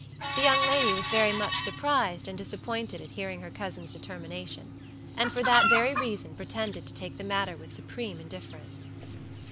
The young lady was very much surprised and disappointed at hearing her cousin's determination, and for that very reason pretended to take the matter with supreme indifference.